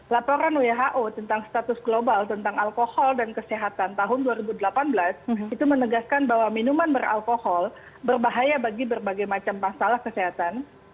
laporan who tentang status global tentang alkohol dan kesehatan tahun dua ribu delapan belas itu menegaskan bahwa minuman beralkohol berbahaya bagi berbagai macam masalah kesehatan